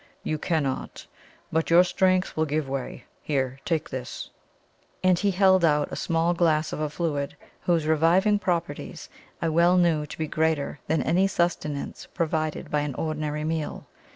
You cannot? But your strength will give way here, take this." And lie held out a small glass of a fluid whose revivifying properties I well knew to be greater than any sustenance provided by an ordinary meal.